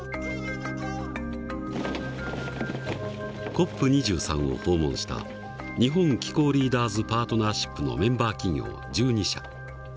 ＣＯＰ２３を訪問した日本気候リーダーズ・パートナーシップのメンバー企業１２社。